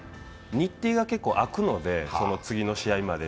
日程が結構、空くので次の試合まで。